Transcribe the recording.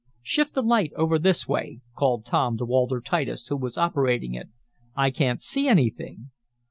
"Shift the light over this way," called Tom to Walter Titus, who was operating it. "I can't see anything."